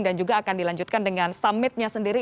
dan juga akan dilanjutkan dengan summitnya sendiri